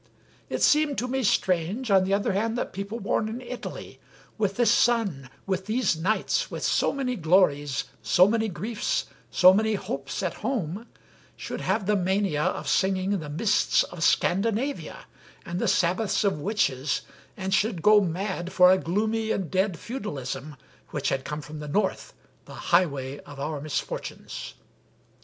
It seemed to me strange, on the other hand, that people born in Italy, with this sun, with these nights, with so many glories, so many griefs, so many hopes at home, should have the mania of singing the mists of Scandinavia, and the Sabbaths of witches, and should go mad for a gloomy and dead feudalism, which had come from the North, the highway of our misfortunes.